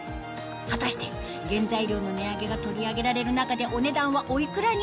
果たして原材料の値上げが取り上げられる中でお値段はお幾らに？